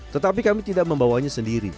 tetapi kami tidak membawanya sendiri